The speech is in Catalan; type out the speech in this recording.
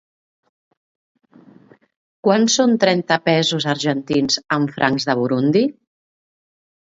Quant són trenta pesos argentins en francs de Burundi?